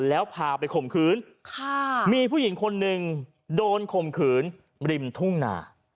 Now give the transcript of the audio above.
แล้วพาไปข่มขืนมีผู้หญิงคนหนึ่งโดนข่มขืนริมทุ่งนา